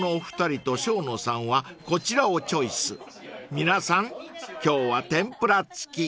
［皆さん今日は天ぷら付き］